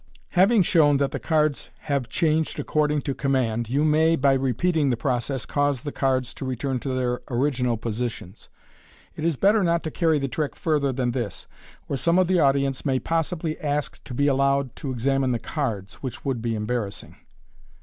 Having shown that the cards have changed according to com mand, you may, by repeating the process, cause the cards to return to their original positions. It is better not to carry the trick further than this, or some of the audience nv»v possibly ask to be allowed to e\amino the cards, which would be embarrassing.